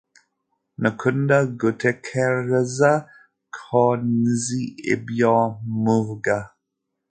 Nkunda gutekereza ko nzi ibyo mvuga.